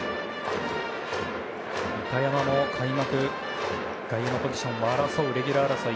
板山も開幕、外野のポジションレギュラー争い。